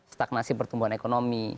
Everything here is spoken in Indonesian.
stagnasi pertumbuhan ekonomi